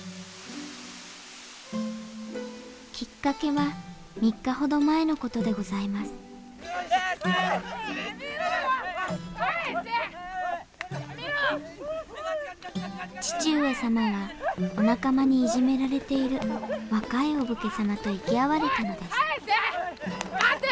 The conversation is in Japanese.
きっかけは３日ほど前の事でございます義父上様はお仲間にいじめられている若いお武家様と行き合われたのです待て！